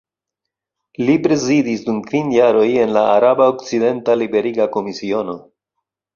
Li prezidis dum kvin jaroj en la Araba Okcidenta Liberiga Komisiono.